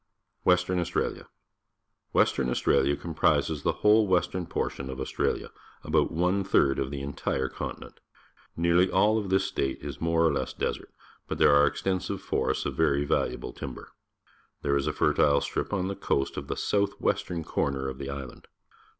Western Australia. — Western Axistralia comprises the whole western portion of AustraUa — about one tliird of the entire continent. Nearly all this state is jnore or less desert, but there are extensive for ests of very valuable timber . There is a fertile strip on the coast of the south west ern corner of the island.